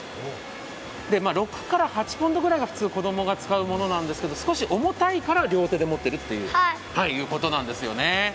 ６８ポンドぐらいが子供が使うものなんですけど、少し重たいから両手で持ってるということなんですよね。